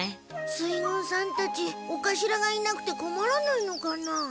水軍さんたちお頭がいなくてこまらないのかな？